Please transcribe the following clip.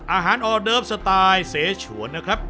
อาหารออเดิ้ลสไตล์เศฉวนนะครับ